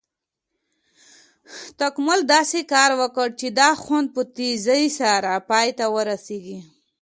تکامل داسې کار وکړ چې دا خوند په تیزي سره پای ته ورسېږي.